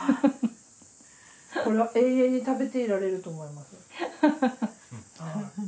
これは永遠に食べていられると思います。